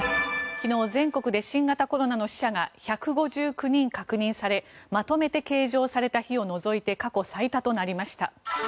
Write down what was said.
昨日、全国で新型コロナの死者が１５９人確認されまとめて計上された日を除いて過去最多となりました。